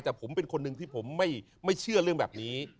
แต่ผมเป็นคนหนึ่งที่ผมไม่เชื่อเรื่องแบบนี้